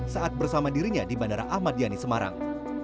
saat bersama dirinya di bandara ahmadiani semarang